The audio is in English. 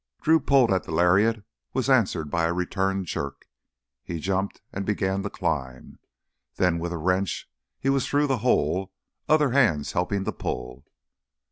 Drew pulled at the lariat, was answered by a return jerk. He jumped and began to climb. Then, with a wrench he was through the hole, other hands helping to pull.